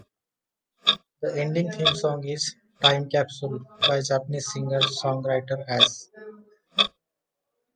The ending theme song is "Time Capsule" by Japanese singer-songwriter As.